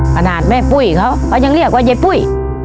ขนาดแม่ปุ้ยเขาเขายังเรียกว่ายายปุ้ย